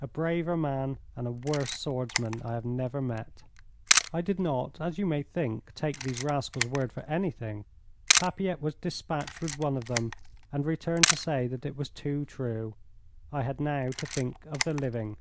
A braver man and a worse swordsman I have never met. I did not, as you may think, take these rascals' word for anything. Papilette was dispatched with one of them, and returned to say that it was too true. I had now to think of the living.